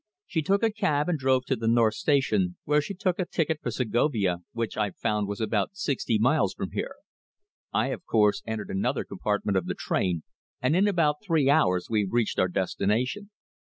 She took a cab and drove to the North Station, where she took a ticket for Segovia which I found was about sixty miles from here. I, of course, entered another compartment of the train and in about three hours we reached our destination.